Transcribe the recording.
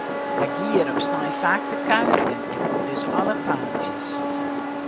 Hja gie hjir op snein faak te kuierjen, en koe dus alle paadsjes.